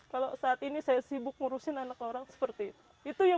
kalau saat ini saya sibuk menguruskan anak orang saya